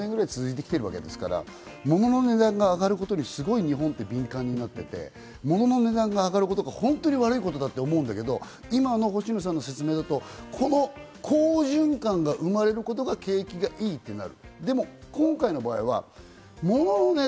デフレが３０年ぐらい続いてきてるわけですから、物の値段が上がることに日本って敏感になっていて、物の値段が上がることが本当に悪いことだって思うんだけど、今の星野さんの説明だと、この好循環が生まれることが景気が良いとなる。